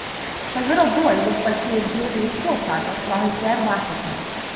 the little boy looks like he is doing a school project while his dad watches him.